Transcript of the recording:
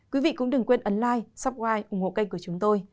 quý vị cũng đừng quên ấn like subscribe ủng hộ kênh của chúng tôi